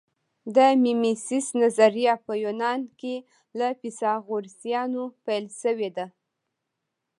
د میمیسیس نظریه په یونان کې له فیثاغورثیانو پیل شوې ده